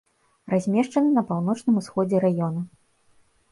Размешчаны на паўночным усходзе раёна.